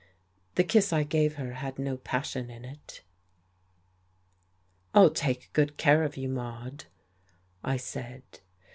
The kiss I gave her had no passion in it. "I'll take good care of you, Maude," I said.